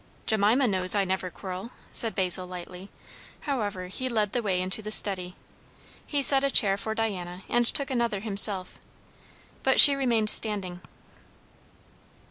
"Jemima knows I never quarrel" said Basil lightly; however, he led the way into the study. He set a chair for Diana and took another himself, but she remained standing.